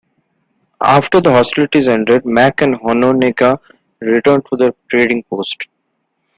After the hostilities ended, Mack and Hononegah returned to their trading post.